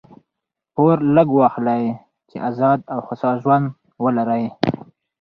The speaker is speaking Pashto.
پور لږ واخلئ! چي آزاد او هوسا ژوند ولرئ.